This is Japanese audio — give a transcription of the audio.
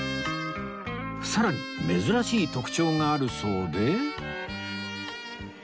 さらに珍しい特徴があるそうで